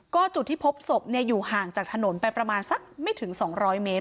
ก็จุดที่พบศพอยู่ห่างจากถนนไปประมาณสักไม่ถึง๒๐๐เมตร